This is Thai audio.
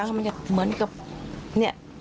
มันทำสายขนาดไหนครับช่วยติดตามหน่อยครับ